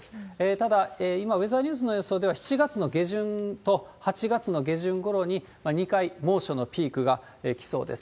ただ、今ウェザーニュースの予想では、７月の下旬と８月の下旬ごろに、２回猛暑のピークが来そうです。